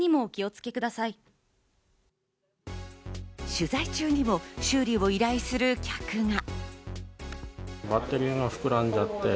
取材中にも修理を依頼する客が。